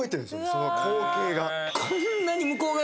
その光景が。